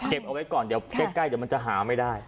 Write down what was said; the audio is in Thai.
เอาไว้ก่อนเดี๋ยวใกล้เดี๋ยวมันจะหาไม่ได้